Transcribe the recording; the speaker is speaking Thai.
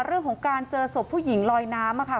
เรื่องของการเจอศพผู้หญิงลอยน้ำค่ะ